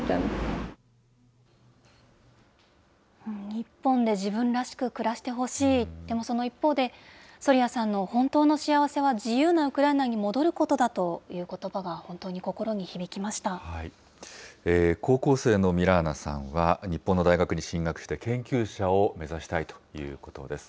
日本で自分らしく暮らしてほしい、でもその一方で、ソリヤさんの本当の幸せは、自由なウクライナに戻ることだということばが、高校生のミラーナさんは、日本の大学に進学して、研究者を目指したいということです。